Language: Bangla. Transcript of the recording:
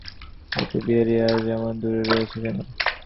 কিন্তু তবু সেই বিনোদিনীর কাছ হইতে বিহারী আজ এমন দূরে রহিয়াছে কেন।